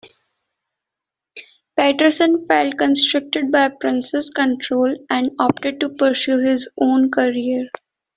Peterson felt constricted by Prince's control and opted to pursue his own career.